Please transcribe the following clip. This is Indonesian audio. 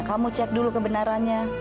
kamu cek dulu kebenarannya